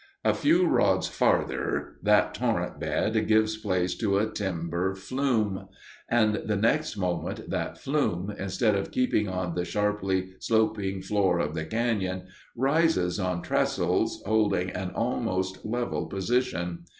A few rods farther that torrent bed gives place to a timber flume; and the next moment that flume, instead of keeping on the sharply sloping floor of the cañon, rises on trestles, holding an almost level position.